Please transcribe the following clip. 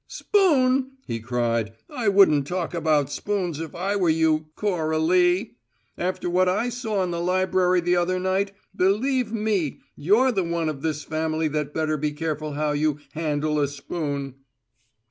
"Spoon!" he cried. "I wouldn't talk about spoons if I were you, Cora lee! After what I saw in the library the other night, believe me, you're the one of this family that better be careful how you `handle a spoon'!"